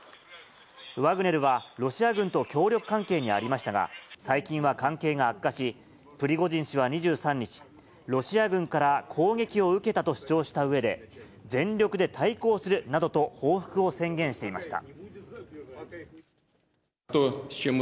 ワグネルはロシア軍と協力関係にありましたが、最近は関係が悪化し、プリゴジン氏は２３日、ロシア軍から攻撃を受けたと主張したうえで、全力で対抗するなどと報復を宣言していました。